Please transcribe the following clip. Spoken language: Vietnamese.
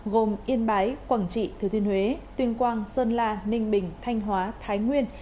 gồm yên bái quảng trị thứ thuyên huế tuyên quang sơn la ninh bình thanh hóa thái nguyên